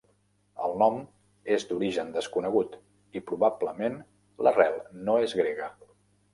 El nom és d'origen desconegut, i probablement l'arrel no és grega.